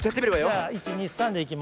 じゃあ１２３でいきます。